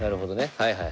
はいはい。